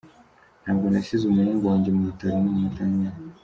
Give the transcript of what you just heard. Ntabwo nasize umuhungu wanjye mu bitaro n’umunota n’umwe.